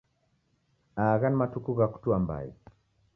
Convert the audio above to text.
Agha ni matuku gha kutua mbai